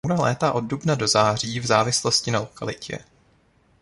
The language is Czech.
Můra létá od dubna do září v závislosti na lokalitě.